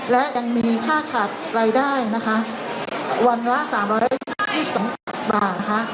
และยังมีค่าขาดรายได้นะคะวันละสามร้อยสิบสามบาทนะคะ